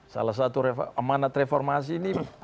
salah satu amanat reformasi ini harus kita memperbaiki